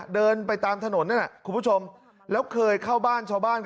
เดินไปตามถนนนั่นน่ะคุณผู้ชมแล้วเคยเข้าบ้านชาวบ้าน